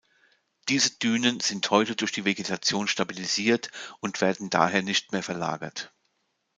Diese Dünen sind heute durch die Vegetation stabilisiert und werden daher nicht mehr verlagert.